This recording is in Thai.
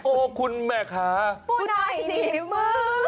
โอ้คุณแม็กซ์คะปูน่ายหนีบมื้อ